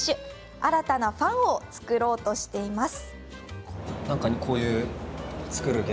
新たなファンを作ろうとしています。